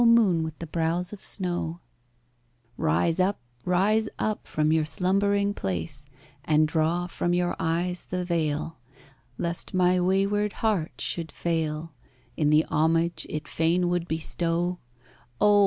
moon with the brows of snow, Rise up, rise up from your slumbering place, And draw from your eyes the veil, Lest my wayward heart should fail In the homage it fain would bestow Oh!